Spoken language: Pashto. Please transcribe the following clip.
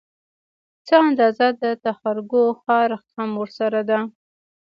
څه اندازه د تخرګو خارښت هم ورسره ده